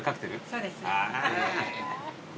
そうです。